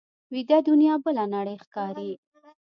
ویده دنیا بله نړۍ ښکاري